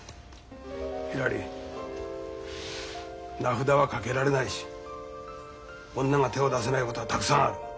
ひらり名札は掛けられないし女が手を出せないことはたくさんある。